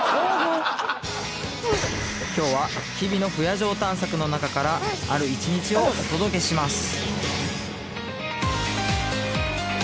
今日は日々の不夜城探索の中からある一日をお届けします